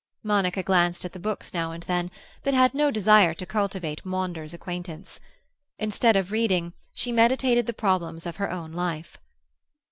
Monica glanced at the books now and then, but had no desire to cultivate Maunder's acquaintance. Instead of reading, she meditated the problems of her own life.